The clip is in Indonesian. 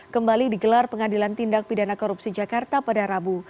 kembali digelar pengadilan tindak pidana korupsi jakarta pada rabu